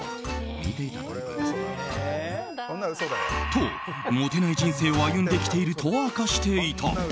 と、モテない人生を歩んできていると明かしていた。